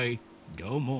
どうも。